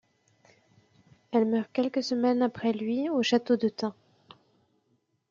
Elle meurt quelques semaines après lui au château d'Eutin.